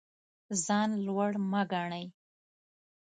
ځان لوړ مه ګڼئ.